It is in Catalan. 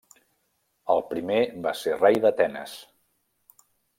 El primer va ser rei d'Atenes.